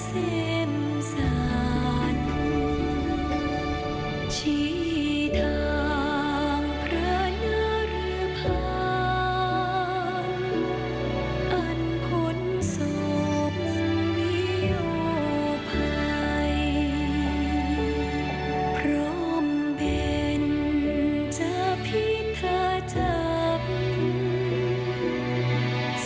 เซ็มสานคุณชีทางพระนรพาอันพลศพวิโภภัยพร้อมเป็นเจ้าพิทธจัพธ์